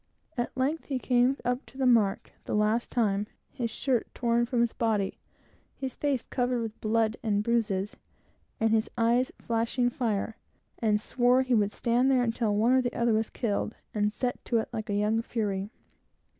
At length he came up to the mark for the last time, his shirt torn from his body, his face covered with blood and bruises, and his eyes flashing fire, and swore he would stand there until one or the other was killed, and set to like a young fury.